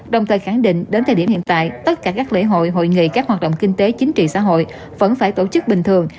đồng thời khẳng định đến thời điểm hiện tại tất cả các lễ hội hội nghị các hoạt động kinh tế chính trị xã hội vẫn phải tổ chức bình thường